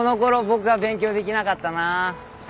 僕は勉強できなかったな。